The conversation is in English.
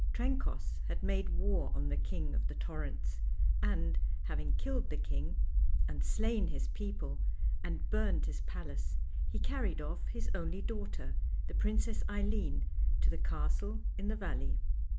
Trencoss had made war on the King of the Torrents, and, having killed the king, and slain his people, and burned his palace, he carried off his only daughter, the Princess Eileen, to the castle in the valley.